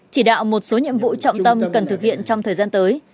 chỉ đạo một số nhiệm vụ trọng tâm cần thực hiện trong thời gian tới